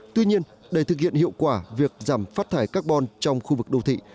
tuy nhiên để thực hiện hiệu quả việc giảm phát thải carbon trong khu vực đô thị